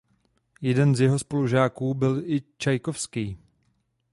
Jeden z jeho spolužáků byl i Čajkovskij.